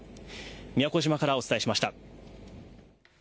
宮古島からお伝えしました。